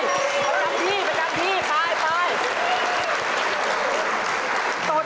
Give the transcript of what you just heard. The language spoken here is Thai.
ไปครับที่ไป